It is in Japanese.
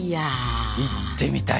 行ってみたいな。